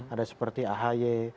ada seperti ahaye